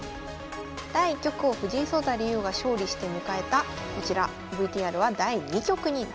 第１局を藤井聡太竜王が勝利して迎えたこちらＶＴＲは第２局になります。